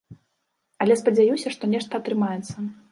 Але спадзяюся, што нешта атрымаецца.